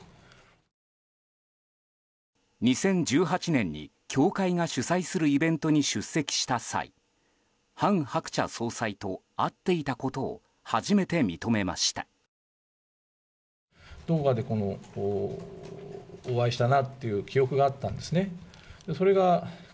２０１８年に教会が主催するイベントに出席した際韓鶴子総裁と会っていたことを初めて認めました。